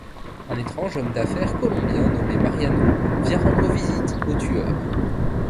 Un étrange homme d'affaires colombien nommé Mariano vient rendre visite au Tueur.